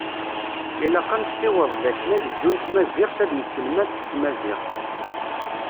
Ilaq ad nesiweḍ dakken agezdu n tmaziɣt, ad yesselmad s tmaziɣt.